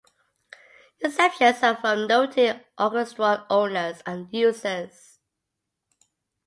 Exceptions are from noted Orchestron owners and users.